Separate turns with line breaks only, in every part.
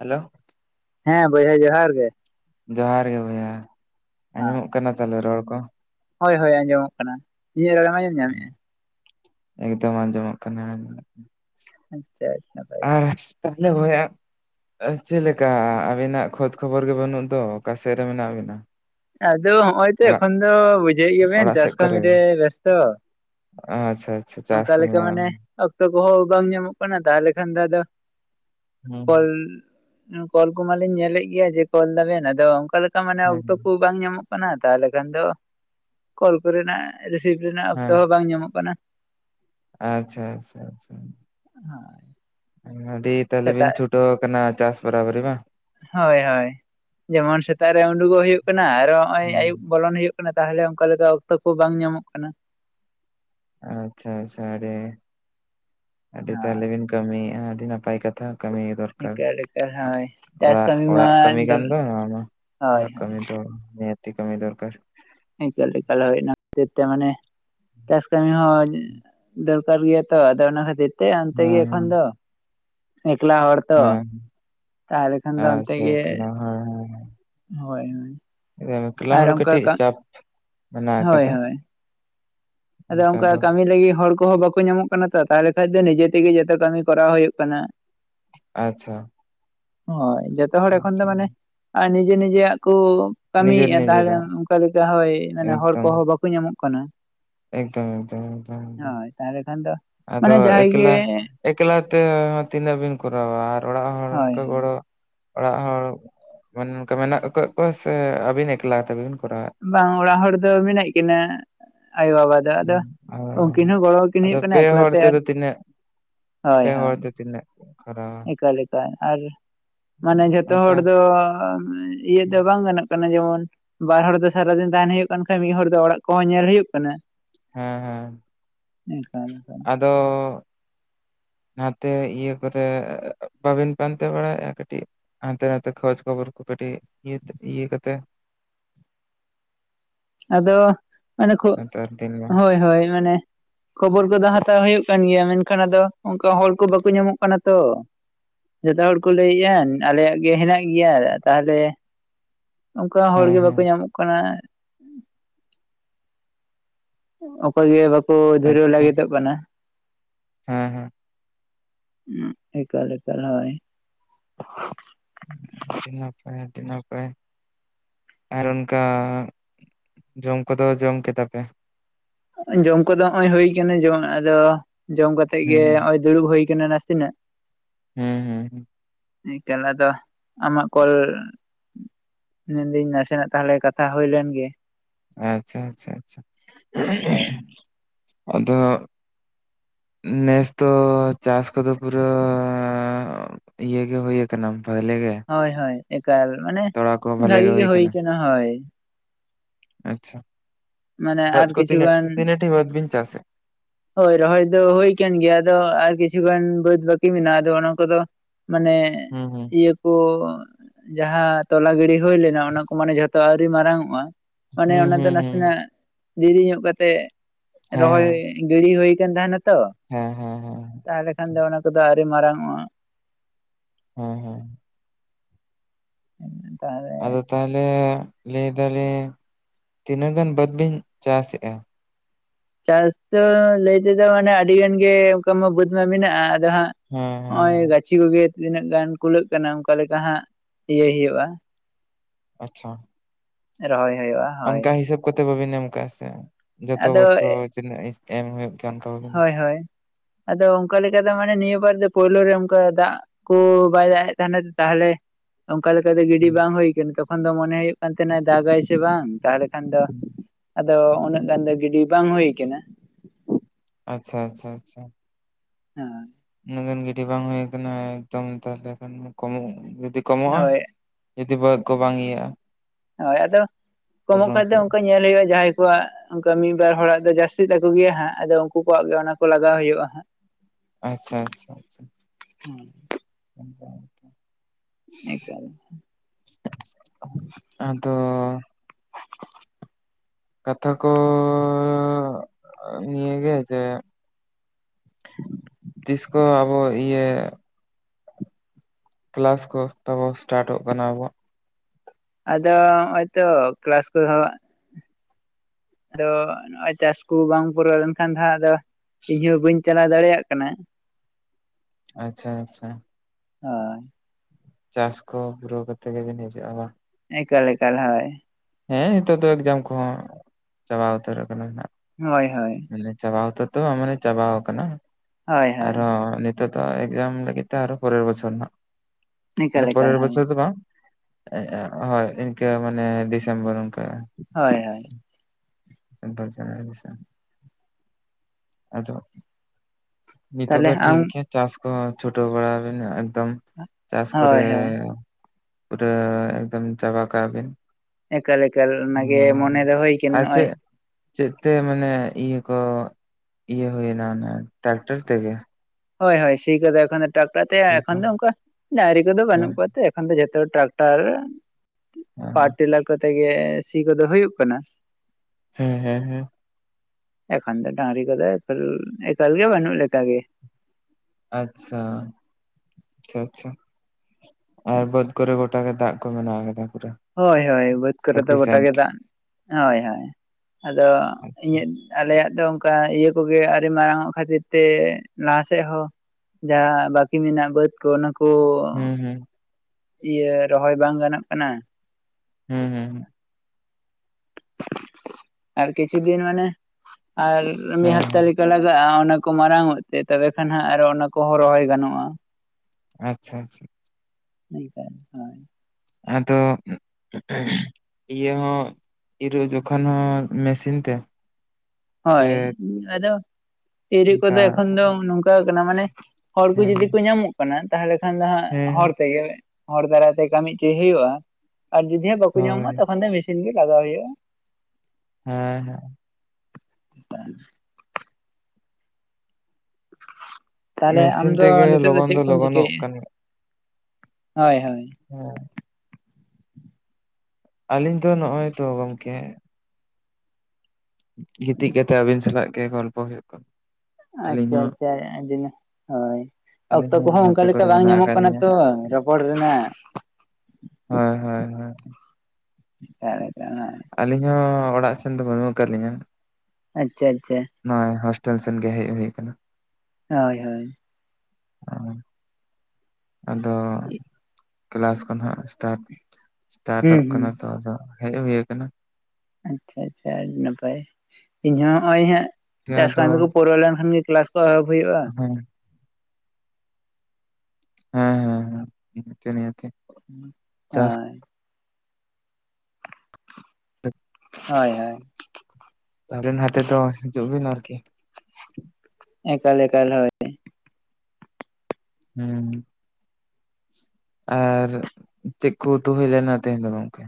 Hello.
ᱦᱮᱸ ᱵᱚᱭᱦᱟ ᱡᱚᱦᱟᱨ ᱜᱮ᱾
ᱡᱚᱦᱟᱨ ᱜᱮ ᱵᱚᱭᱦᱟ ᱟᱸᱡᱚᱢᱚᱜ ᱠᱟᱱᱟ ᱛᱟᱦᱚᱞᱮ ᱨᱚᱲ ᱠᱚ?
ᱦᱳᱭ ᱦᱳᱭ ᱟᱸᱡᱚᱢᱚᱜ ᱠᱟᱱᱟ [unintelligible]
ᱮᱠᱫᱚᱢ ᱟᱸᱡᱚᱢᱚᱜ ᱠᱟᱱᱟ
ᱟᱪᱪᱷᱟ ᱱᱟᱯᱟᱭ
ᱟᱨ ᱛᱟᱦᱚᱞᱮ ᱦᱳᱭ ᱟᱨ ᱪᱮᱫ ᱞᱮᱠᱟ ᱟᱹᱵᱤᱱᱟᱜ ᱠᱷᱳᱡᱽ ᱠᱷᱚᱵᱚᱨ ᱜᱮ ᱵᱟᱹᱱᱩᱜ ᱫᱚ ᱚᱠᱟ ᱥᱮᱫ ᱨᱮ ᱢᱮᱱᱟᱜ ᱵᱤᱱᱟ?
ᱟᱫᱚ ᱦᱚᱸᱜ-ᱚᱭ ᱛᱚ
ᱚᱲᱟᱜ
ᱮᱠᱷᱚᱱ ᱫᱚ ᱵᱩᱡᱮᱜ ᱜᱮᱭᱟᱵᱤᱱ
ᱚᱲᱟᱜ
ᱪᱟᱥ
ᱥᱮᱫ
ᱠᱟᱹᱢᱤ
ᱠᱚᱨᱮ
ᱨᱮ ᱵᱮᱥᱛᱚ᱾
ᱟᱪᱪᱷᱟ ᱟᱪᱪᱷᱟ ᱪᱟᱥ
ᱚᱱᱠᱟ ᱞᱮᱠᱟ
ᱠᱟᱹᱢᱤᱭᱟᱹ
ᱢᱟᱱᱮ ᱚᱠᱛᱚ ᱠᱚᱦᱚᱸ ᱵᱟᱝ ᱧᱟᱢᱚᱜ ᱠᱟᱱᱟ ᱛᱟᱞᱦᱮ ᱠᱷᱟᱱ ᱫᱚ ᱟᱫᱚ ᱠᱚᱞ
ᱦᱩᱸ
ᱠᱚᱞ ᱠᱚᱢᱟ ᱞᱤᱧ ᱧᱮᱞᱮᱫ ᱜᱮᱭᱟ ᱡᱮ ᱠᱚᱞ ᱫᱟᱵᱮᱱ ᱟᱫᱚ ᱚᱱᱠᱟ ᱞᱮᱠᱟ ᱢᱟᱱᱮ
ᱦᱮᱸ
ᱠᱚ ᱵᱟᱝ ᱧᱟᱢᱚᱜ ᱠᱟᱱᱟ ᱛᱟᱞᱦᱮ ᱠᱷᱟᱱ ᱫᱚ ᱠᱚᱞ ᱠᱚᱨᱮᱱᱟᱜ ᱨᱮᱥᱤᱵ ᱨᱮᱱᱟᱜ ᱚᱠᱛᱚ
ᱦᱮᱸ
ᱦᱚᱸ ᱵᱟᱝ ᱧᱟᱢᱚᱜ ᱠᱟᱱᱟ ᱾
ᱟᱪᱪᱷᱟ ᱟᱪᱪᱷᱟ ᱟᱪᱪᱷᱟ ᱾
ᱦᱳᱭ᱾
ᱟᱹᱰᱤ ᱛᱟᱞᱦᱮ ᱵᱤᱱ ᱪᱷᱩᱴᱟᱹᱣ ᱠᱟᱱᱟ ᱪᱟᱥ ᱵᱚᱨᱟᱵᱟᱹᱨᱤ ᱵᱟᱝ?
ᱦᱳᱭ ᱦᱳᱭ ᱡᱮᱢᱚᱱ ᱥᱮᱛᱟᱜ ᱨᱮ ᱩᱸᱰᱩᱠᱚᱜ ᱦᱩᱭᱩᱜ ᱠᱟᱱᱟ ᱟᱨᱚ ᱦᱚᱜᱼᱚᱭ
ᱦᱮᱸ
ᱟᱹᱭᱩᱵ ᱵᱚᱞᱚᱱ ᱦᱩᱭᱩᱜ ᱠᱟᱱᱟ ᱛᱟᱦᱚᱞᱮ ᱚᱱᱠᱟ ᱞᱮᱠᱟ ᱚᱠᱛᱚ ᱠᱚ ᱵᱟᱝ ᱧᱟᱢᱚᱜ ᱠᱟᱱᱟ ᱾
ᱟᱪᱪᱷᱟ ᱟᱪᱪᱷᱟ ᱟᱹᱰᱤ ᱟᱹᱰᱤ ᱛᱟᱦᱚᱞᱮ
ᱦᱳᱭ
ᱵᱤᱱ ᱠᱟᱹᱢᱤᱭᱮᱜ-ᱟ ᱟᱹᱰᱤ ᱱᱟᱯᱟᱭ ᱠᱟᱛᱷᱟ ᱠᱟᱹᱢᱤ ᱫᱚᱨ ᱠᱟᱨ
ᱮᱠᱟᱞ ᱮᱠᱟᱞ ᱦᱳᱭ ᱪᱟᱥ
ᱚᱲᱟᱜ
ᱠᱟᱹᱢᱤ ᱢᱟ
ᱚᱲᱟᱜ ᱠᱟᱹᱢᱤ
ᱫᱚᱨ
ᱠᱟᱱ ᱫᱚ ᱚᱱᱟᱢᱟ᱾
ᱦᱳᱭ
ᱚᱲᱟᱜ
ᱦᱳᱭ
ᱠᱟᱹᱢᱤ ᱫᱚ ᱱᱤᱦᱟᱹᱛᱤ ᱠᱟᱹᱢᱤ ᱫᱚᱨᱠᱟᱨ ᱾
ᱮᱠᱟᱞ ᱮᱠᱟᱞ ᱟᱨ ᱦᱳᱭ ᱚᱱᱟ ᱠᱷᱟᱹᱛᱤᱨ ᱛᱮ ᱢᱟᱱᱮ ᱪᱟᱥ ᱠᱟᱹᱢᱤ ᱦᱚᱸ
ᱦᱮᱸ
ᱫᱚᱨᱠᱟᱨ ᱜᱮᱭᱟ ᱛᱚ ᱟᱫᱚ ᱚᱱᱟ ᱠᱷᱟᱹᱛᱤᱨ ᱛᱮ ᱚᱱᱛᱮ ᱜᱮ ᱮᱠᱷᱚᱱ
ᱦᱮᱸ
ᱫᱚ ᱮᱠᱞᱟ ᱦᱚᱲ ᱛᱚ
ᱦᱮᱸ
ᱛᱟᱦᱚᱞᱮ ᱠᱷᱟᱱ ᱫᱚ ᱚᱱᱛᱮ ᱜᱮ
ᱦᱮᱸ ᱦᱮᱸ ᱦᱮᱸ ᱾
ᱦᱳᱭ ᱦᱳᱭ ᱾
ᱮᱠᱞᱟ ᱦᱚᱲ ᱠᱟᱹᱴᱤᱡ ᱪᱟᱯ ᱢᱮᱱᱟᱜ
ᱦᱳᱭ
ᱠᱟᱫᱟ ᱾
ᱦᱳᱭ ᱟᱫᱚ ᱚᱱᱠᱟ ᱠᱟᱹᱢᱤ ᱞᱟᱹᱜᱤᱫ ᱦᱚᱲ ᱠᱚᱦᱚᱸ ᱵᱟᱠᱚ ᱧᱟᱢᱚᱜ ᱠᱟᱱᱟ ᱛᱚ ᱛᱟᱦᱚᱞᱮ ᱠᱷᱟᱡᱽ ᱫᱚ ᱱᱤᱡᱮ ᱛᱮᱜᱮ ᱡᱚᱛᱚ ᱠᱟᱹᱢᱤ ᱠᱚᱨᱟᱣ ᱦᱩᱭᱩᱜ ᱠᱟᱱᱟ ᱾
ᱟᱪᱪᱷᱟ ᱾
ᱦᱳᱭ ᱡᱚᱛᱚ ᱦᱚᱲ ᱮᱠᱷᱚᱱ ᱫᱚ ᱢᱟᱱᱮ ᱱᱤᱡᱮ ᱱᱤᱡᱮᱭᱟᱜ ᱠᱚ
ᱱᱤᱡᱮᱨ
ᱠᱟᱹᱢᱤᱭᱮᱜ-ᱟ ᱛᱟᱦᱞᱮ
ᱱᱤᱡᱮᱨᱟᱜ
ᱚᱱᱠᱟ ᱞᱮᱠᱟ ᱦᱳᱭ ᱢᱟᱱᱮ ᱦᱚᱲ
ᱮᱠᱫᱚᱢ
ᱠᱚᱦᱚᱸ ᱵᱟᱠᱚ ᱧᱟᱢᱚᱜ ᱠᱟᱱᱟ ᱾
ᱮᱠᱫᱚᱢ ᱮᱠᱫᱚᱢ ᱮᱠᱫᱚ
ᱦᱳᱭ ᱛᱟᱦᱚᱞᱮ ᱠᱷᱟᱱ ᱫᱚ ᱢᱟᱱᱮ ᱡᱟᱦᱟᱸᱭ
ᱮᱠᱞᱟ
ᱜᱮ
ᱮᱠᱞᱟ ᱛᱮ ᱛᱤᱱᱟᱹᱜ ᱵᱤᱱ ᱠᱚᱨᱟᱣᱟ ᱟᱨ ᱚᱲᱟᱜ ᱦᱚᱲ
ᱦᱳᱭ
ᱚᱱᱠᱟ
ᱦᱳᱭ
ᱜᱚᱲᱚ ᱚᱲᱟᱜ ᱦᱚᱲ ᱢᱟᱱ ᱚᱱᱠᱟ ᱢᱮᱱᱟᱜ ᱟᱠᱟᱫ ᱠᱚᱣᱟ ᱥᱮ ᱟᱵᱤᱱ ᱮᱠᱞᱟ ᱛᱮᱵᱤᱱ ᱠᱚᱨᱟᱣ-ᱟ
ᱵᱟᱝ ᱚᱲᱟᱜ ᱦᱚᱲ ᱫᱚ ᱢᱤᱱᱟᱜ ᱠᱤᱱᱟᱹ ᱟᱭᱳ ᱵᱟᱵᱟ ᱫᱟᱜ ᱫᱚ
ᱟᱫᱚ
ᱩᱱᱠᱤᱱ ᱦᱚᱸ ᱜᱚᱲ ᱟᱠᱤᱱ
ᱟᱫᱚ
ᱦᱩᱭᱩᱜ
ᱯᱮ
ᱠᱟᱱᱟ ᱮᱠᱞᱟ
ᱦᱚᱲ
ᱛᱮ ᱟᱨ
ᱛᱮᱫᱚ ᱛᱤᱱᱟᱹᱜ
ᱦᱳᱭ
ᱯᱮ
ᱦᱳᱭ
ᱦᱚᱲ ᱛᱮ ᱛᱤᱱᱟᱹᱜ? ᱠᱚᱨᱟᱣᱟ
ᱮᱠᱟᱞ ᱮᱠᱟᱞ ᱟᱨ ᱢᱟᱱᱮ ᱡᱷᱚᱛᱚ
ᱚᱱᱠᱟ
ᱦᱚᱲ ᱫᱚ ᱤᱭᱟᱹ ᱫᱚ ᱵᱟᱝ ᱜᱟᱱᱚᱜ ᱠᱟᱱᱟ ᱡᱮᱢᱚᱱ ᱵᱟᱨ ᱦᱚᱲ ᱫᱚ ᱥᱟᱨᱟᱫᱤᱱ ᱛᱟᱦᱮᱸᱱ ᱦᱩᱭᱩᱜ ᱠᱟᱱ ᱠᱷᱟᱱ ᱢᱤᱫ ᱦᱚᱲ ᱫᱚ ᱚᱲᱟᱜ ᱠᱚᱦᱚᱸ ᱧᱮᱞ ᱦᱩᱭᱩᱜ ᱠᱟᱱᱟ ᱾
ᱦᱮᱸ ᱦᱮᱸ ᱾
ᱮᱠᱟᱞ ᱮᱠᱟᱞ ᱾
ᱛᱚᱻ ᱱᱟᱛᱮ ᱤᱭᱟᱹ ᱠᱚᱨᱮ ᱵᱟᱵᱮᱱ ᱯᱟᱱᱛᱮ ᱵᱟᱲᱟᱭᱮᱜ-ᱟ ᱠᱟᱹᱴᱤᱡ? ᱦᱟᱱᱛᱮ ᱱᱟᱛᱮ ᱠᱷᱚᱡᱽ ᱠᱷᱚᱵᱚᱨ ᱠᱚ ᱠᱟᱹᱴᱤᱡ ᱤᱭᱟᱹ ᱛᱮ ᱤᱭᱟᱹ ᱠᱟᱛᱮ
ᱟᱫᱚ ᱢᱟᱱᱮ ᱠᱷᱚ
ᱱᱮᱛᱟᱨ ᱫᱤᱱ ᱢᱟ
ᱦᱳᱭ ᱦᱳᱭ ᱢᱟᱱᱮ ᱠᱷᱚᱵᱚᱨ ᱠᱚᱫᱚ ᱦᱟᱛᱟᱣ ᱦᱩᱭᱩᱜ ᱠᱟᱱ ᱜᱮᱭᱟ ᱢᱮᱱᱠᱷᱟᱱ ᱟᱫᱚ ᱚᱱᱠᱟ ᱦᱚᱲ ᱠᱚ ᱵᱟᱠᱚ ᱧᱟᱢᱚᱜ ᱠᱟᱱᱟ ᱛᱚ ᱾ ᱡᱚᱛᱚ ᱦᱚᱲ ᱠᱚ ᱞᱟᱹᱭᱮᱜ-ᱟ ᱟᱞᱮᱭᱟᱜ ᱜᱮ ᱦᱮᱱᱟᱜ ᱜᱮᱭᱟ ᱛᱟᱦᱚᱞᱮ ᱚᱱᱠᱟ ᱦᱚᱲ
ᱦᱮᱸ
ᱜᱮ
ᱦᱮᱸ
ᱵᱟᱠᱚ ᱧᱟᱢᱚᱜ ᱠᱟᱱᱟ ᱾ ᱚᱠᱚᱭ ᱜᱮ ᱵᱟᱠᱚ ᱫᱷᱩᱨᱟᱹᱣ
ᱟᱪᱪᱷᱟ
ᱞᱟᱹᱜᱤᱫᱚᱜ ᱠᱟᱱᱟ ᱾
ᱦᱮᱸ ᱦᱮᱸ ᱾
ᱮᱠᱟᱞ ᱮᱠᱟᱞ ᱦᱳᱭ ᱾
ᱟᱹᱰᱤ ᱱᱟᱯᱟᱭ ᱟᱹᱰᱤ ᱱᱟᱯᱟᱭ ᱾ ᱟᱨ ᱚᱱᱠᱟ ᱡᱚᱢ ᱠᱚᱫᱚ ᱡᱚᱢ ᱠᱮᱫᱟ ᱯᱮ?
ᱡᱚᱢ ᱠᱚᱫᱚ ᱦᱚᱜ-ᱚᱭ ᱦᱳᱭ ᱠᱟᱱᱟ ᱡᱚᱢ ᱟᱫᱚ ᱡᱚᱢ ᱠᱟᱛᱮᱜ ᱜᱮ
ᱦᱩᱸ ᱦᱩᱸ
ᱦᱚᱜ-ᱚᱭ ᱫᱩᱲᱩᱵ ᱦᱩᱭ ᱟᱠᱟᱱᱟ ᱱᱟᱥᱮᱱᱟᱜ ᱾
ᱦᱮᱸ ᱦᱮᱸ᱾
ᱮᱠᱟᱞ ᱟᱫᱚ ᱟᱢᱟᱜ ᱠᱚᱞ ᱢᱮᱱᱫᱟᱹᱧ ᱱᱟᱥᱮᱱᱟᱜ ᱛᱟᱦᱚᱞᱮ ᱠᱟᱛᱷᱟ ᱦᱩᱭ ᱞᱮᱱ ᱜᱮ?
ᱟᱪᱪᱷᱟ ᱟᱪᱪᱷᱟ ᱟᱪᱪᱷᱟ᱾
[unintelligible]
ᱟᱫᱚ ᱱᱮᱥ ᱫᱚ ᱪᱟᱥ ᱠᱚᱫᱚ ᱯᱩᱨᱟᱹ ᱤᱭᱟᱹ ᱜᱮ ᱦᱩᱭᱩ ᱟᱠᱟᱱᱟ ᱰᱷᱟᱞᱮ ᱜᱮ᱾
ᱦᱳᱭ ᱦᱳᱭ ᱮᱠᱟᱞ ᱢᱟᱱᱮ ᱵᱷᱟᱜᱤ ᱜᱮ ᱦᱩᱭ ᱠᱟᱱᱟ ᱦᱳᱭ᱾
ᱟᱪᱪᱷᱟ᱾
ᱢᱟᱱᱮ
ᱵᱟᱹᱫᱽ
ᱟᱨ
ᱠᱚ
ᱠᱤᱪᱷᱩ
ᱛᱤᱱᱟᱹᱜ,
ᱜᱟᱱ
ᱛᱤᱱᱟᱹᱜ ᱴᱤ ᱵᱟᱹᱫᱽ ᱵᱤᱱ ᱪᱟᱥᱮᱫ?
ᱦᱳᱭ᱾ ᱨᱚᱦᱚᱭ ᱫᱚ ᱦᱩᱭᱳ ᱠᱟᱱ ᱜᱮᱭᱟ ᱟᱫᱚ ᱟᱨ ᱠᱤᱪᱷᱩ ᱜᱟᱱ ᱵᱟᱹᱫᱽ ᱵᱟᱹᱠᱤ ᱢᱮᱱᱟᱜᱼᱟ ᱟᱫᱚ ᱚᱱᱟ ᱠᱚᱫᱚ ᱢᱟᱱᱮ
ᱦᱩᱸ ᱦᱩᱸ
ᱤᱭᱟᱹ ᱠᱚ ᱡᱟᱦᱟᱸ ᱛᱚᱞᱟ ᱜᱤᱲᱤ ᱦᱩᱭ ᱞᱮᱱᱟ ᱚᱱᱟ ᱠᱚ ᱢᱟᱱᱮ ᱡᱷᱚ ᱛᱚ ᱟᱹᱣᱨᱤ ᱢᱟᱨᱟᱝᱚᱜᱼᱟ ᱢᱟᱱᱮ
ᱦᱩᱸ
ᱚᱱᱟ ᱫᱚ
ᱦᱩᱸ ᱦᱩᱸ
ᱱᱟᱥᱮᱱᱟᱜ ᱫᱮᱨᱤ ᱧᱚᱜ ᱠᱟᱛᱮᱜ ᱨᱚᱦᱚᱭ
ᱦᱮᱸ
ᱜᱤᱲᱤ ᱦᱩᱭ ᱠᱟᱱ ᱛᱟᱦᱮᱱᱟ ᱛᱚ᱾
ᱦᱮᱸ ᱦᱮᱸ᱾ ᱦᱮᱸ
ᱛᱟᱦᱚᱞᱮ ᱠᱷᱟᱱ ᱫᱚ ᱚᱱᱟ ᱠᱚᱫᱚ ᱟᱹᱣᱨᱤ ᱢᱟᱨᱟᱝ ᱚᱜᱼᱟ᱾
ᱦᱮᱸ ᱦᱮᱸ᱾
ᱩᱸ ᱛᱟᱦᱞᱮ
ᱟᱫᱚ ᱛᱟᱦᱚᱞᱮ ᱞᱟᱹᱭ ᱫᱟᱞᱤᱧ ᱛᱤᱱᱟᱹᱜ ᱜᱟᱱ ᱵᱟᱹᱫᱽ ᱵᱤᱱ ᱪᱟᱥᱮᱫ-ᱟ?
ᱪᱟᱥ ᱫᱚ ᱞᱟᱹᱭ ᱛᱮᱫᱚ ᱢᱟᱱᱮ ᱟᱹᱰᱤ ᱜᱟᱱ ᱜᱮ ᱚᱱᱠᱟ ᱢᱟ ᱵᱟᱹᱫᱽ ᱢᱟ ᱢᱮᱱᱟᱜᱼᱟ᱾ ᱟᱫᱚ ᱦᱟᱸᱜ
ᱦᱮᱸ ᱦᱮᱸ᱾
ᱱᱚᱜ-ᱚᱭ
ᱦᱮᱸ
ᱜᱟᱪᱷᱤ ᱠᱚᱜᱮ ᱛᱤᱱᱟᱹᱜ ᱜᱟᱱ ᱠᱩᱞᱟᱹᱜ ᱠᱟᱱᱟ, ᱚᱱᱠᱟ ᱞᱮᱠᱟ ᱦᱟᱸᱜ ᱤᱭᱟᱹᱭ ᱦᱩᱭᱩᱜᱼᱟ᱾
ᱟᱪᱪᱷᱟ᱾
ᱨᱚᱦᱚᱭ ᱦᱩᱭᱩᱜᱼᱟ᱾ ᱦᱳᱭ
ᱚᱱᱠᱟ ᱦᱤᱥᱟᱹᱵ ᱠᱚᱛᱮ ᱵᱟᱟᱹᱵᱤᱱ ᱮᱢ ᱠᱟᱜᱼᱟ ᱥᱮ, ᱡᱚᱛᱚ
ᱟᱫᱚ
ᱵᱚᱨᱥᱚ ᱛᱤᱱᱟᱹᱜ ᱮᱢ ᱦᱩᱭᱩᱜ ᱚᱱᱠᱟ ᱵᱟ
ᱦᱳᱭ ᱦᱳᱭ ᱟᱫᱚ ᱚᱱᱠᱟ ᱞᱮᱠᱟ ᱫᱚ ᱢᱟᱱᱮ ᱱᱤᱭᱟᱹ ᱵᱟᱨ ᱫᱚ ᱯᱳᱭᱞᱚ ᱨᱮ ᱚᱱᱠᱟ ᱫᱟᱜ ᱠᱚ ᱵᱟᱭ ᱫᱟᱜ-ᱮᱫ ᱛᱟᱦᱮᱱᱟ ᱛᱚ ᱛᱟᱦᱚᱞᱮ ᱚᱱᱠᱟ ᱞᱮᱠᱟ ᱫᱟ ᱜᱤᱰᱤ ᱵᱟᱝ ᱦᱩᱭᱠ ᱛᱚᱠᱷᱚᱱ ᱫᱚ ᱛᱚᱠᱷᱟᱱ ᱫᱚ ᱢᱚᱱᱮ ᱦᱩᱭᱩᱜ ᱠᱟᱱ ᱛᱟᱦᱮᱱᱟᱭ ᱫᱟᱜᱟᱭ ᱥᱮ ᱵᱟᱝ᱾ ᱛᱟᱦᱞᱮ ᱠᱷᱟᱱ ᱫᱚ ᱟᱫᱚ ᱩᱱᱟᱹᱜ ᱜᱟᱱ ᱫᱚ ᱡᱩᱫᱤ ᱵᱟᱝ ᱦᱩᱭ ᱠᱟᱱᱟ᱾
ᱟᱪᱪᱷᱟ ᱟᱪᱪᱷᱟ ᱟᱪᱪᱷᱟ᱾
ᱦᱮᱸ᱾
ᱩᱱᱟᱹᱜ ᱜᱟᱱ ᱜᱤᱰᱤ ᱵᱟᱝ ᱦᱩᱭ ᱠᱟᱱᱟ ᱮᱠᱫᱚᱢ ᱛᱟᱦᱚᱞᱮ ᱠᱷᱟᱱ ᱫᱚ ᱠᱚᱢᱚᱜ ᱡᱩᱫᱤ ᱠᱚᱢᱚᱜᱼᱟ
ᱦᱳᱭ
ᱡᱩᱫᱤ ᱵᱟᱫᱽ ᱠᱚ ᱵᱟᱝ ᱤᱭᱟᱹᱜ-ᱟ᱾
ᱦᱳᱭ ᱟᱫᱚ ᱠᱚᱢᱚᱜ ᱠᱷᱟᱡ ᱫᱚ
ᱩᱛᱟᱹᱨᱚᱜᱼᱟ᱾
ᱚᱱᱠᱟ ᱧᱮᱞ ᱦᱩᱭᱩᱜᱼᱟ ᱡᱟᱦᱟᱸᱭ ᱠᱚᱣᱟᱜ᱾ ᱚᱱᱠᱟ ᱢᱤᱫ ᱵᱟᱨ ᱦᱚᱲᱟᱜ ᱫᱚ ᱡᱟᱹᱥᱛᱤᱜ ᱛᱟᱠᱚ ᱜᱮᱭᱟ ᱦᱟᱸᱜ᱾ ᱟᱫᱚ ᱩᱱᱠᱩ ᱠᱚᱣᱟᱜ ᱜᱮ ᱚᱱᱟ ᱠᱚ ᱞᱟᱜᱟᱣ ᱦᱩᱭᱩᱟᱜ ᱦᱟᱸᱜ᱾
ᱟᱪᱪᱷᱟ ᱟᱪᱪᱷᱟ ᱟᱪᱪᱷᱟ᱾᱾
[inaudible]
[inaudible]
ᱮᱠᱟᱞ᱾
ᱟᱫᱚ ᱠᱟᱛᱷᱟ ᱠᱚ ᱱᱤᱭᱟᱹ ᱜᱮ ᱡᱮ ᱛᱤᱥ ᱠᱚ ᱟᱵᱚ ᱤᱭᱟᱹ ᱠᱮᱞᱟᱥ ᱠᱚ ᱛᱟᱵᱚ ᱥᱴᱟᱴᱚᱜ ᱠᱟᱱᱟ ᱟᱵᱚᱣᱟᱜ᱾
ᱟᱫᱚ ᱦᱚᱜ-ᱚᱭ ᱛᱚ ᱠᱞᱟᱥ ᱠᱚᱦᱚ ᱟᱫᱚ ᱱᱚᱜ-ᱚᱭ ᱪᱟᱥ ᱠᱚ ᱵᱟᱝ ᱯᱩᱨᱟᱣ ᱞᱮᱱᱠᱷᱟᱱ ᱫᱚ ᱦᱟᱸᱜ ᱟᱫᱚ ᱤᱧ ᱦᱚ ᱵᱟᱹᱧ ᱪᱟᱞᱟᱣ ᱫᱟᱲᱮᱭᱟᱜ ᱠᱟᱱᱟ᱾
ᱟᱪᱪᱷᱟ ᱟᱪᱪᱷᱟ᱾
ᱦᱳᱭ᱾
ᱪᱟᱥ ᱠᱚ ᱯᱩᱨᱟᱹᱣ ᱠᱟᱛᱮ ᱜᱮᱵᱤᱱ ᱦᱤᱡᱩᱜ-ᱟ ᱵᱟᱝ?
ᱮᱠᱟᱞ ᱮᱠᱟᱞ ᱦᱛᱭ᱾
ᱦᱮᱸ ᱱᱤᱛᱚᱜ ᱫᱚ ᱮᱠᱡᱟᱢ ᱠᱚᱦᱚᱸ ᱪᱟᱵᱟ ᱩᱛᱟᱹᱨ ᱠᱟᱱᱟ ᱱᱟᱦᱟᱜ᱾
ᱦᱳᱭ ᱦᱳᱭ ᱾
ᱪᱟᱵᱟ ᱩᱛᱟᱹᱨ ᱫᱚ ᱵᱟᱝ ᱢᱟᱱᱮ ᱪᱟᱵᱟ ᱟᱠᱟᱣᱱᱟ
ᱦᱳᱭ ᱦᱳᱭ
ᱟᱨᱦᱚ ᱱᱤᱛ ᱛᱚ ᱛᱚ ᱮᱠᱡᱟᱢ ᱞᱟᱜᱤᱫ ᱛᱮ ᱟᱨᱚ ᱯᱚᱨᱮᱨ ᱵᱚᱪᱚᱨ ᱱᱟᱜ ᱤᱱᱟ
ᱮᱠᱟᱞ ᱮᱠᱟᱞ
ᱯᱚᱨᱮᱨ
ᱦᱳᱭ
ᱵᱚᱪᱷᱚᱨ ᱫᱚ ᱵᱟᱝ ᱾ [inaudible] ᱦᱳᱭ ᱤᱝᱠᱟᱹ ᱢᱟᱱᱮ ᱰᱤᱥᱮᱢᱵᱚᱨ ᱚᱝᱠᱟ ᱾
ᱦᱳᱭ ᱦᱳᱭ ᱾
[unintelligible] ᱟᱫᱚ ᱱᱤᱛᱚᱜ
ᱛᱟᱦᱚᱞᱮ
ᱫᱚ ᱴᱷᱤᱠ
ᱟᱢ
ᱜᱮᱭᱟ ᱪᱟᱥ ᱠᱚᱦᱚᱸ ᱪᱷᱩᱴᱟᱹᱣ ᱵᱟᱲᱟ ᱵᱤᱱ ᱮᱠᱫᱚᱢ ᱾ ᱪᱟᱥ ᱠᱚᱨᱮ
ᱦᱳᱭ ᱦᱳᱭ
ᱯᱩᱨᱟᱹ ᱮᱠᱫᱚᱢ ᱪᱟᱵᱟ ᱠᱟᱜ ᱵᱤᱱ ᱾
ᱮᱠᱟᱞ ᱮᱠᱟᱞ ᱚᱱᱟᱜᱮ ᱢᱚᱱᱮ ᱫᱚ ᱦᱩᱭ ᱠᱟᱱ
ᱟᱨ
ᱱᱚᱜᱼᱚᱭ
ᱪᱮᱫ
᱾
ᱪᱮᱫ ᱛᱮ ᱢᱟᱱᱮ ᱤᱭᱟᱹ ᱠᱚ ᱤᱭᱟᱹ ᱦᱩᱭᱱᱟ ᱚᱱᱟ ᱴᱟᱠᱴᱟᱨ ᱛᱮᱜᱮ?
ᱦᱳᱭ ᱦᱳᱭ ᱥᱤ ᱠᱚᱫᱚ ᱮᱠᱷᱚᱱ ᱫᱚ ᱴᱟᱠᱴᱟᱨ ᱛᱮ
ᱥᱤ ᱠᱚ
ᱮᱠᱷᱚᱱ ᱫᱚ ᱚᱝᱠᱟ ᱰᱟᱝᱨᱤ ᱠᱚᱫᱚ ᱵᱟᱹᱱᱩᱜ
ᱦᱮᱸ
ᱠᱚᱣᱟ ᱛᱚ ᱠᱷᱟᱱ ᱫᱚ ᱡᱷᱚᱛᱚ ᱴᱨᱟᱠᱴᱟᱨ ᱯᱟᱣᱟᱨ
ᱦᱮᱸ
ᱴᱤᱞᱟᱨ ᱠᱚᱛᱮ ᱜᱮ ᱥᱤ ᱠᱚᱫᱚ ᱦᱩᱭᱩᱜ ᱠᱟᱱᱟ᱾
ᱦᱮᱸ ᱦᱮᱸ ᱦᱮᱸ ᱾
ᱮᱠᱷᱚᱱ ᱫᱚ ᱰᱟᱝᱨᱤ ᱠᱟᱫᱚ ᱮᱠᱟᱞ ᱮᱠᱟᱞ ᱜᱮ ᱵᱟᱹᱱᱩᱜ ᱞᱮᱠᱟ ᱜᱮ ᱾
ᱟᱪᱪᱷᱟ ᱟᱪᱪᱷᱟ ᱟᱪᱪᱷᱟ᱾ ᱟᱨ ᱵᱟ. ᱫ ᱠᱚᱨᱮ ᱜᱚᱴᱟ ᱜᱮ ᱫᱟᱜ ᱠᱚ ᱢᱮᱱᱟᱜ ᱠᱟᱫᱟ ᱯᱩᱨᱟᱹ ᱾
ᱦᱳᱭ ᱦᱳᱭ ᱵᱟᱹᱫᱽ ᱠᱚᱨᱮ ᱫᱚ ᱜᱚᱴᱟ ᱜᱮ ᱫᱟᱜ ᱦᱳᱭ ᱦᱳᱭ ᱟᱫᱚ
ᱟᱪᱪᱷᱟ
ᱤᱧᱟᱹᱜ ᱟᱞᱮᱭᱟᱜ ᱫᱚ ᱚᱝᱠᱟ ᱤᱭᱟᱹ ᱠᱚᱜᱮ ᱟᱹᱣᱨᱤ ᱢᱟᱨᱟᱝᱚᱜ ᱠᱷᱟᱹᱛᱤᱨ ᱛᱮ ᱞᱟᱦᱟᱥᱮᱫ ᱦᱚᱸ ᱡᱟᱦᱟᱸ ᱵᱟᱹᱠᱤ ᱢᱮᱱᱟᱜ ᱵᱟᱹᱫ ᱠᱚ ᱚᱱᱟᱠᱩ
ᱦᱩᱸ ᱦᱩᱸ
ᱤᱭᱟᱹ ᱨᱚᱦᱚᱭ ᱵᱟᱝ ᱜᱟᱱᱚᱜ ᱠᱟᱱᱟ᱾
ᱦᱩᱸ ᱦᱩᱸ ᱦᱩᱸ ᱾
ᱟᱨ ᱠᱤᱪᱷᱩ ᱫᱤᱱ ᱢᱟᱱᱮ ᱟᱨ ᱢᱤᱜ
ᱦᱮᱸ
ᱦᱟᱯᱛᱟ
ᱦᱮᱸ
ᱞᱮᱠᱟ ᱞᱟᱜᱟᱜᱼᱟ ᱚᱱᱟ ᱠᱚ ᱢᱟᱨᱟᱝᱼᱚᱜ ᱛᱮ ᱛᱚᱵᱮ ᱠᱷᱟᱱ ᱦᱟᱸᱜ ᱟᱨᱚ ᱚᱱᱟ ᱠᱚᱦᱚᱸ ᱨᱚᱦᱚᱭ ᱜᱟᱱᱚᱜᱼᱟ᱾
ᱟᱪᱪᱷᱟ ᱟᱪᱪᱷᱟ ᱾
ᱟᱪᱪᱷᱟ ᱟᱪᱪᱷᱟ ᱦᱳᱭ ᱾
ᱟᱫᱚ ᱤᱭᱟᱹ ᱦᱚᱸ ᱤᱨᱚᱜ ᱡᱚᱠᱷᱚᱱ ᱦᱚᱸ ᱢᱮᱥᱤᱱ ᱛᱮ ᱾
ᱦᱳᱭ, ᱟᱫᱚ ᱤᱨᱚᱜ
ᱚᱱᱠᱟ
ᱠᱚᱫᱚ ᱮᱠᱷᱚᱱ ᱫᱚ ᱱᱚᱝᱠᱟ ᱠᱟᱱᱟ ᱢᱟᱱᱮ ᱦᱚᱲ ᱠᱚ
ᱦᱮᱸ
ᱡᱩᱫᱤ ᱧᱟᱢᱚᱜ ᱠᱟᱱᱟ ᱛᱟᱦᱚᱞᱮ ᱠᱷᱟᱱ ᱫᱚ ᱦᱟᱸᱜ
ᱦᱮᱸ
ᱦᱚᱲ ᱛᱮᱜᱮ ᱾ ᱦᱚᱲ ᱫᱟᱨᱟᱭ ᱛᱮ ᱠᱟᱹᱢᱤ ᱪᱚᱭ ᱦᱩᱭᱩᱜᱼᱟ ᱾ ᱟᱨ ᱡᱩᱫᱤ ᱦᱟᱜ ᱵᱟᱠᱚ ᱧᱟᱢᱚᱜᱼᱟ
ᱦᱳᱭ
ᱛᱚᱠᱷᱚᱱ ᱫᱚ ᱢᱮᱥᱤᱱ ᱜᱮ ᱞᱟᱜᱟᱣ ᱦᱩᱭᱩᱜᱼᱟ᱾
ᱦᱮᱸ ᱦᱮᱸ ᱾
[inaudible] ᱛᱟᱦᱚᱞᱮ ᱟᱢ
ᱢᱮᱥᱤᱱ
ᱫᱚ
ᱛᱮᱜᱮ
ᱱᱤᱛᱚᱜ ᱫᱚ
ᱞᱚᱜᱚᱱ
ᱪᱮᱫ ᱠᱚᱢ
ᱞᱚᱜᱚᱱᱚᱜ
ᱪᱤᱠᱟᱹᱭᱮᱜᱼᱟ?
ᱠᱟᱱᱟ
ᱦᱳᱭ ᱦᱳᱭ ᱾
ᱦᱮᱸ ᱾ ᱟᱹᱞᱤᱧ ᱫᱚ ᱱᱚᱜᱼᱚᱭ ᱛᱚ ᱜᱚᱝᱠᱮ ᱜᱤᱛᱤᱡ ᱠᱟᱛᱮᱜ ᱟᱹᱵᱤᱱ ᱥᱟᱞᱟᱜ ᱜᱮ ᱜᱚᱞᱯᱚ ᱦᱩᱭᱩᱜ ᱠᱟᱱᱟ᱾ ᱟᱹᱞᱤᱧ
ᱟᱪᱪᱷᱟ
ᱦᱚᱸ
ᱟᱪᱪᱷᱟ ᱟᱹᱰᱤ ᱱᱟᱜ ᱦᱳᱭ ᱾ ᱚᱠᱛᱚ
ᱟᱹᱞᱤᱧ ᱦᱚᱸ
ᱠᱚᱦᱚᱸ ᱚᱝᱠᱟ
ᱱᱚᱛᱮ
ᱞᱮᱠᱟ
ᱠᱚᱨᱮ
ᱵᱟᱝ
ᱢᱮᱱᱟᱜ
ᱧᱟᱢᱚᱜ
ᱟᱠᱟᱫ
ᱠᱟᱱᱟ
ᱞᱤᱧᱟᱹ
ᱛᱚ ᱨᱚᱯᱚᱲ ᱨᱮᱱᱟᱜ ᱾
ᱦᱳᱭ ᱦᱳᱭ ᱦᱳᱭ ᱾
ᱮᱠᱟᱞ ᱮᱠᱟᱞ ᱦᱳᱭ ᱾
ᱟᱹᱞᱤᱧ ᱦᱚᱸ ᱚᱲᱟᱜ ᱥᱮᱱ ᱫᱚ ᱵᱟᱹᱱᱩᱜ ᱟᱠᱟᱫ ᱞᱤᱧᱟᱹ᱾
ᱟᱪᱪᱷᱟ ᱟᱪᱪᱷᱟ ᱾
ᱱᱚᱜᱼᱚᱭ ᱦᱳᱥᱴᱮᱞ ᱥᱮᱱ ᱜᱮ ᱦᱮᱡ ᱦᱩᱭ ᱟᱠᱟᱱᱟ᱾
ᱦᱳᱭ ᱦᱳᱭ ᱾
[inaudible] ᱟᱫᱚ ᱠᱮᱞᱟᱥ ᱠᱷᱚᱱ ᱦᱟᱸᱜ ᱥᱴᱟᱴ
ᱦᱩᱸ
ᱥᱴᱟᱴᱚᱜ
ᱦᱩᱸ
ᱠᱟᱱᱟ ᱛᱚ, ᱟᱫᱚ ᱦᱮᱡ ᱦᱩᱭ ᱠᱟᱱᱟ᱾
ᱟᱪᱪᱷᱟ ᱟᱪᱪᱷᱟ ᱟᱹᱰᱤ ᱱᱟᱯᱟᱭ, ᱤᱧ ᱦᱚᱸ ᱱᱚᱜᱼᱚᱭ ᱦᱟᱸᱜ ᱪᱟᱥ
ᱟᱫᱚ
ᱠᱟᱹᱢᱤ ᱠᱚ ᱯᱚᱨᱣᱟᱹ ᱞᱮᱱᱠᱷᱟᱱ ᱜᱮ ᱠᱞᱟᱥ ᱠᱚ ᱮᱦᱚᱵ ᱦᱩᱭᱩᱜᱼᱟ᱾
ᱦᱮᱸ, ᱦᱮᱸ ᱦᱮᱸ ᱦᱮᱸ ᱱ ᱱᱛᱮ [unintelligible]
[inaudible]
ᱪᱟᱥ ᱴ [unintelligible]
ᱦᱳᱭ ᱦᱳᱭ,
ᱛᱟᱜᱞᱮ ᱱᱚᱛᱮ [unintelligible] ᱛᱚ ᱦᱤᱡᱩᱜᱵᱤᱱ ᱟᱨᱠᱤ,
ᱮᱠᱟᱞ ᱮᱠᱟᱞ ᱦᱚᱭ,
ᱦᱮᱸ, ᱟᱨ ᱪᱮᱫ ᱠᱚ ᱩᱛᱩ ᱦᱩᱭ ᱞᱮᱱᱟ ᱛᱮᱦᱮᱧ ᱫᱚ ᱜᱚᱢᱠᱮ?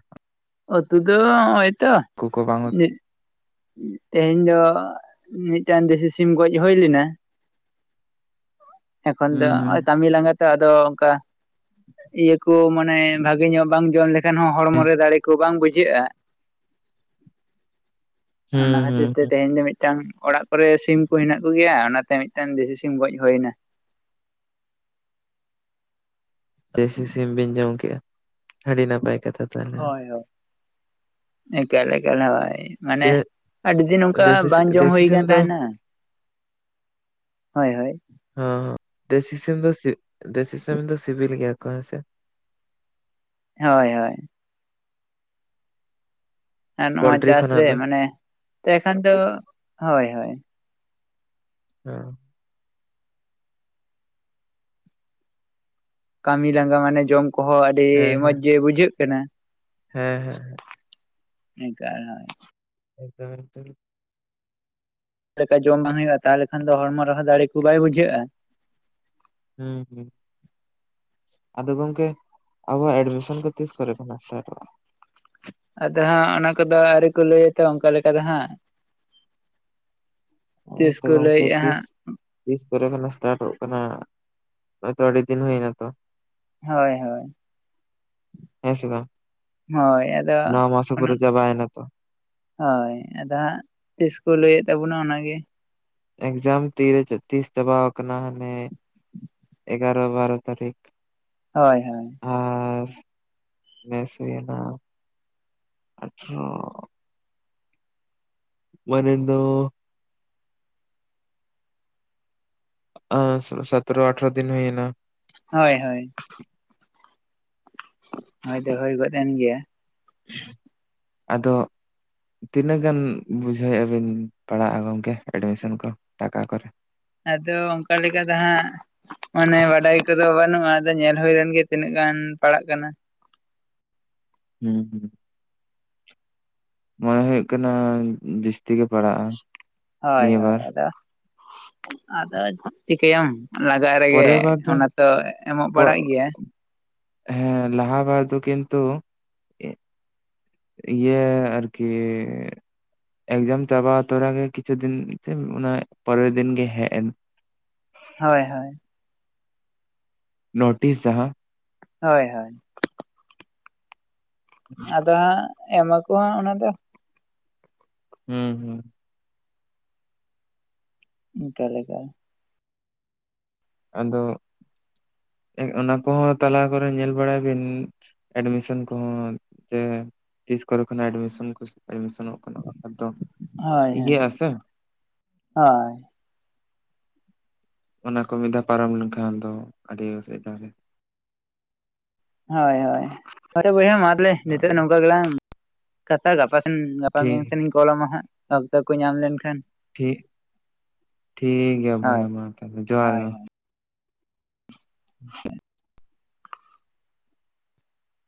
ᱩᱛᱩ ᱫᱚ ᱱᱚᱜᱼᱚᱭ ᱛᱚ,
ᱠᱚ ᱵᱟᱝ ᱩᱛᱩ
ᱡᱮ [unintelligible] ᱛᱮᱦᱮᱧ ᱫᱚ ᱢᱤᱫᱴᱟᱝ ᱫᱮᱥᱤ ᱥᱤᱢ ᱜᱚᱡ ᱦᱩᱭ ᱞᱮᱱᱟ, ᱮᱠᱷᱚᱱ ᱫᱚ
ᱦᱩᱸ ᱦᱩᱸ
ᱱᱚᱜᱼᱚᱭ ᱠᱟᱹᱢᱤ ᱞᱟᱸᱜᱟ ᱛᱮ ᱟᱫᱚ ᱚᱱᱠᱟ, ᱤᱭᱟᱹ ᱠᱚ ᱢᱟᱱᱮ [unintelligible] ᱵᱷᱟᱜᱮ ᱧᱚᱜ ᱵᱟᱝ ᱡᱚᱢ ᱞᱮᱠᱷᱟᱱ ᱦᱚᱸ ᱦᱚᱲᱢᱚ
ᱦᱮᱸ
ᱨᱮ ᱫᱟᱲᱮ ᱠᱚ ᱵᱟᱝ ᱵᱩᱡᱷᱟᱹᱜᱼᱟ᱾
ᱦᱩᱸ
ᱚᱱᱟᱦᱚ
ᱦᱩᱸ
ᱡᱩᱫᱤ ᱛᱮ
ᱦᱩᱸ
ᱛᱮᱦᱮᱧ ᱫᱚ ᱢᱤᱫᱴᱟᱝ ᱚᱲᱟᱜ ᱠᱚᱨᱮ ᱥᱤᱢ ᱠᱚ ᱦᱮᱱᱟᱜ ᱠᱚᱜᱮᱭᱟ ᱚᱱᱟᱛᱮ ᱢᱤᱫᱴᱟᱝ ᱫᱮᱥᱤ ᱥᱤᱢ ᱜᱚᱡ ᱦᱩᱭ ᱮᱱᱟ᱾
ᱫᱮᱥᱤ ᱥᱤᱢ ᱵᱤᱱ ᱡᱚᱢ ᱠᱮᱜᱼᱟ, ᱟᱹᱰᱤ ᱱᱟᱯᱟᱭ ᱠᱟᱛᱷᱟ ᱫᱚ᱾
ᱦᱳᱭ ᱦᱳᱭ, ᱮᱠᱟᱞ ᱮᱠᱟᱞ ᱦᱚᱭ᱾ ᱢᱟᱱᱮ
ᱛᱤᱱᱟᱹᱜ
ᱟᱹᱰᱤ ᱫᱤᱱ ᱚᱱᱠᱟ
ᱫᱮᱥᱤ
ᱵᱟᱝ ᱡᱚᱢ
ᱫᱮᱥᱤ ᱥᱤᱢ
ᱦᱩᱭᱠᱟᱱ
ᱫᱚ
ᱛᱟᱦᱮᱱᱟ᱾ ᱦᱳᱭ ᱦᱳᱭ,
ᱦ ᱦ ᱫᱮᱥᱤ ᱥᱤᱢ ᱫᱚ ᱫᱮᱥᱤ ᱥᱤᱢ ᱫᱚ ᱥᱤᱵᱤᱞ ᱜᱮᱭᱟ ᱠᱚ ᱦᱮᱸᱥᱮ᱾
ᱦᱳᱭ ᱦᱳᱭ, ᱟᱨ ᱱᱚᱣᱟ
ᱯᱳᱞᱴᱨᱤ
ᱪᱟᱥ
ᱠᱷᱚᱱᱟᱜ
ᱨᱮ,
ᱫᱚ
ᱢᱟᱱᱮ ᱮᱠᱷᱟᱱ ᱫᱚ ᱦᱳᱭ ᱦᱳᱭ
ᱦᱮᱸ [unintelligible]
ᱠᱟᱹᱢᱤ ᱞᱟᱸᱜᱟ ᱢᱟᱱᱮ ᱡᱚᱢ ᱠᱚᱦᱚᱸ ᱟᱹᱰᱤ
ᱦᱮᱸ
ᱢᱚᱸᱡᱽ
ᱦᱮᱸ
ᱜᱮ ᱵᱩᱡᱷᱟᱹᱜ ᱠᱟᱱᱟ᱾
ᱦᱮᱸ ᱦᱮᱸ,
ᱮᱠᱟᱞ [unintelligible]
[inaudible]
ᱞᱮᱠᱟ ᱡᱚᱢ ᱵᱟᱝ ᱦᱩᱭᱩᱜᱼᱟ, ᱛᱟᱦᱚᱞᱮ ᱠᱷᱟᱱ ᱫᱚ ᱦᱚᱲᱢᱚ ᱨᱮᱦᱚᱸ ᱫᱟᱲᱮ ᱠᱚ ᱵᱟᱭ ᱵᱩᱡᱷᱟᱹᱜᱼᱟ᱾
ᱦᱮᱸ ᱾ ᱟᱫᱚ ᱜᱚᱝᱠᱮ ᱟᱵᱚᱣᱟᱜ ᱮᱰᱢᱤᱥᱚᱱ ᱠᱚ ᱛᱤᱥᱠᱨᱮᱠᱚ ᱢᱟᱥᱴᱟᱨᱚᱜᱼᱟ?
ᱟᱫᱚ ᱦᱟᱸᱜ ᱚᱱᱟ ᱠᱚᱫᱚ ᱟᱹᱣᱨᱤ ᱠᱚ ᱞᱟᱹᱭᱟᱛᱚ ᱚᱱᱠᱟ ᱞᱮᱠᱟ ᱫᱚ ᱦᱟᱸᱜ, [inaudible]
ᱦᱮᱸ
ᱛᱤᱥ
ᱛᱚ
ᱠᱚ
ᱜᱚᱝᱠᱮ
ᱞᱟᱹᱭᱮᱫᱼᱟ
ᱛᱤᱥ
ᱦᱟᱸᱜ,
ᱛᱤᱥ ᱠᱚᱨᱮ ᱠᱷᱚᱱ ᱥᱴᱟᱨᱴᱚᱜ ᱠᱟᱱᱟ ᱛᱚ ᱟᱹᱰᱤ ᱫᱤᱱ ᱦᱩᱭᱱᱟ ᱛᱚ᱾
ᱦᱳᱭ ᱦᱳᱭ,
[inaudible] ᱦᱮᱸ ᱥᱮ ᱵᱟᱝ,
ᱦᱳᱭ ᱟᱫᱚ
[inaudible] ᱱᱚᱣᱟ ᱢᱟᱥᱚ
ᱚᱱᱟ
ᱯᱩᱨᱟᱹ ᱪᱟᱵᱟᱭᱱᱟ ᱛᱚ
ᱦᱳᱭ ᱟᱫᱚ ᱦᱟᱸᱜ ᱛᱤᱥ ᱠᱚ ᱞᱟᱹᱭᱮᱫ ᱛᱟᱵᱚᱱᱟ ᱚᱱᱟᱜᱮ,
ᱮᱠᱡᱟᱢ ᱛᱤᱨᱮ ᱛᱤᱥ ᱪᱟᱵᱟᱣ ᱠᱟᱱᱟ ᱦᱟᱱᱮ, ᱮᱜᱟᱨᱚ ᱵᱟᱨᱚ ᱛᱟᱨᱤᱠ,
ᱦᱳᱭ ᱦᱳᱭ,
ᱟᱨ ᱵᱮᱥ ᱦᱩᱭᱱᱟ ᱟᱴᱷᱨᱚ ᱢᱟᱱᱮ ᱫᱚ ᱚ ᱥᱟᱛᱮᱨᱚ ᱟᱴᱷᱮᱨᱚ ᱫᱤᱱ ᱦᱩᱭᱱᱟ
ᱦᱳᱭ ᱦᱳᱭ ᱦᱳᱭᱫᱚ ᱦᱳᱭ ᱜᱚᱫ ᱮᱱ ᱜᱮᱭᱟ
ᱟᱫᱚ ᱛᱤᱱᱟᱹᱜ ᱜᱟᱱ ᱵᱩᱡᱷᱟᱹᱣᱮᱜᱼᱟ ᱵᱤᱱ ᱯᱟᱲᱟᱜᱼᱟ ᱜᱚᱝᱠᱮ ᱮᱰᱢᱤᱥᱮᱱ ᱠᱚ, ᱴᱟᱠᱟ ᱠᱚᱨᱮ?
ᱟᱫᱚ ᱚᱱᱠᱟ ᱞᱮᱠᱟ ᱫᱚ ᱦᱟᱸᱜ ᱢᱟᱱᱮ ᱵᱟᱰᱟᱭ ᱠᱚᱫᱚ ᱵᱟᱹᱱᱩᱜᱼᱟ ᱟᱫᱚ ᱧᱮᱞ ᱦᱩᱭ ᱞᱮᱱ ᱜᱮ ᱛᱤᱱᱟᱹᱜ ᱜᱟᱱ ᱯᱟᱲᱟᱜ ᱠᱟᱱᱟ᱾
ᱦᱩᱸ ᱦᱩᱸ ᱢᱚᱱᱮ ᱦᱩᱭᱩᱜ ᱠᱟᱱᱟ ᱫᱤᱥ ᱛᱤᱜᱮ ᱯᱟᱲᱟᱜᱼᱟ
ᱦᱳᱭ
ᱱᱤᱭᱟᱹ
ᱦᱳᱭ
ᱵᱟᱨ᱾
ᱟᱫᱚ ᱟᱫᱚ ᱪᱤᱠᱟᱹᱭᱟᱢ᱾ ᱞᱟᱜᱟᱜ ᱨᱮᱜᱮ
ᱯᱚᱨᱮᱨ ᱵᱟᱨ ᱫᱚ
ᱚᱱᱟ ᱛᱚ ᱮᱢᱚᱜ ᱵᱟᱲᱟᱜ ᱜᱮᱭᱟ᱾
ᱦᱮᱸ ᱞᱟᱦᱟ ᱵᱟᱨ ᱫᱚ ᱠᱤᱱᱛᱩ ᱤ- ᱤᱭᱟᱹ ᱟᱨᱠᱤ ᱮᱠᱡᱟᱢ ᱪᱟᱵᱟ ᱛᱚᱨᱟ ᱜᱮ ᱠᱤᱪᱷᱩ ᱫᱤᱱ ᱥᱮ ᱚᱱᱟ ᱯᱚᱨᱮᱨ ᱫᱤᱱ ᱜᱮ ᱦᱮᱡ ᱮᱱ᱾
ᱦᱳᱭ ᱦᱳᱭ᱾
ᱱᱳᱴᱤᱥ ᱡᱟᱦᱟᱸ
ᱦᱳᱭ ᱦᱳᱭ᱾
[inaudible]
ᱟᱫᱚ ᱦᱟᱸᱜ ᱮᱢᱟ ᱠᱚ ᱦᱟᱸᱜ ᱚᱱᱟ ᱫᱚ᱾
ᱦᱩᱸ ᱦᱩᱸ᱾
ᱚᱱᱠᱟ ᱞᱟᱜᱟᱜ-ᱟ
ᱟᱫᱚ, ᱚᱱᱟ ᱠᱚᱦᱚᱸ ᱛᱟᱞᱟ ᱠᱚᱨᱮ ᱧᱮᱞ ᱵᱟᱲᱟᱭ ᱵᱤᱱ᱾ ᱮᱰᱢᱤᱥᱮᱱ ᱠᱚᱦᱚᱸ ᱡᱮ ᱛᱤᱥ ᱠᱚᱨᱮ ᱠᱷᱚᱱᱟᱜ ᱮᱰᱢᱤᱥᱚᱱ ᱠᱚ ᱮᱰᱢᱤᱥᱮᱱᱚᱜ ᱠᱟᱱᱟ᱾ ᱮᱠᱫᱚᱢ
ᱦᱳᱭ ᱦᱳᱭ, ᱦᱳᱭ
ᱚᱱᱟ ᱠᱚ ᱢᱤᱫ ᱫᱷᱟᱣ ᱯᱟᱨᱚᱢ ᱞᱮᱱᱠᱷᱟᱱ ᱟᱫᱚ ᱟᱹᱰᱤ ᱚᱥᱩᱵᱤᱫᱟ ᱨᱮ
ᱦᱳᱭ ᱦᱳᱭ ᱟᱨᱮ ᱵᱚᱭᱦᱟ ᱢᱟ ᱛᱟᱦᱚᱞᱮ ᱱᱤᱛᱚᱜ ᱱᱚᱝᱠᱟ ᱜᱮᱞᱟᱝ ᱠᱟᱛᱷᱟ ᱜᱟᱯᱟ ᱥᱮᱱ ᱜᱟᱯᱟ
ᱴᱷᱤᱠ
ᱢᱮᱭᱟᱝ ᱥᱮᱱᱤᱧ ᱠᱚᱞᱟ ᱢᱟ ᱦᱟᱸᱜ, ᱚᱠᱛᱚ ᱠᱚ ᱧᱟᱢ ᱞᱮᱱᱠᱷᱟᱱ᱾
ᱴᱷᱤᱠ ᱴᱷᱤᱠ ᱜᱮᱭᱟ
ᱦᱳᱭ
ᱵᱚᱭᱦᱟ ᱢᱟ ᱛᱟᱦᱚᱞᱮ ᱡᱚᱦᱟᱨ
ᱦᱳᱭ
ᱜᱮ᱾
[inaudible]